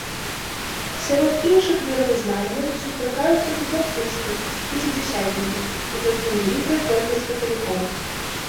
Сярод іншых веравызнанняў сустракаюцца тут баптысты, пяцідзясятнікі і толькі невялікая колькасць каталікоў.